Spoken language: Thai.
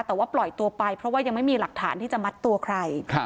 แต่ว่าปล่อยตัวไปเพราะว่ายังไม่มีหลักฐานที่จะมัดตัวใคร